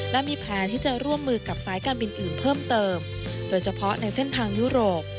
และมีแผนที่จะร่วมมือกับสายการบินอื่นเพิ่มเติมโดยเฉพาะในเส้นทางยุโรป